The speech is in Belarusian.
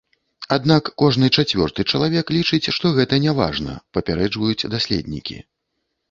Аднак кожны чацвёрты чалавек лічыць, што гэта няважна, папярэджваюць даследнікі.